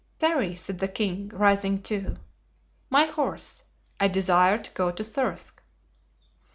"Parry," said the king, rising too, "my horse; I desire to go to Thirsk."